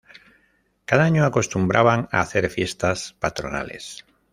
Cada año acostumbraban hacer fiestas patronales.